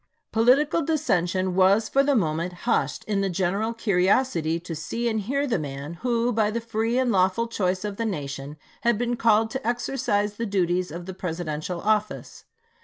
Political dissension was for the moment bushed in the general curiosity to see and hear the man who by the free and lawful choice of the nation had been called to exercise the duties of the Presi dential office.